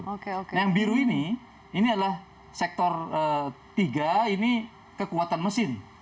nah yang biru ini ini adalah sektor tiga ini kekuatan mesin